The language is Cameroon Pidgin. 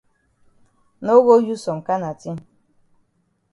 No go use some kana tin.